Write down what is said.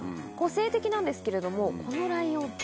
個性的なんですけれどもこのライオン。